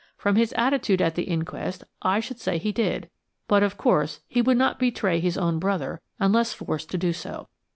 From his attitude at the inquest I should say he did, but of course he would not betray his own brother unless forced to do so.